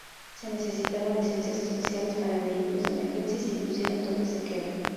Se necesitaron licencias especiales para vehículos de emergencia y se impusieron toques de queda.